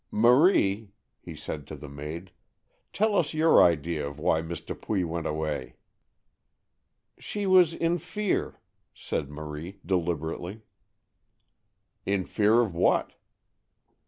"Marie," he said to the maid, "tell us your idea of why Miss Dupuy went away." "She was in fear," said Marie deliberately. "In fear of what?"